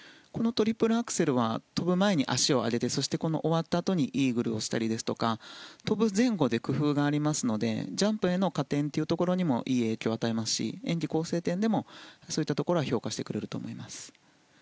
トリプルアクセルは跳ぶ前に足を上げてそして終わったあとにイーグルをしたりとか跳ぶ前後で工夫がありますのでジャンプへの加点にもいい影響を与えますし演技構成点でもそういったところは評価されると思います。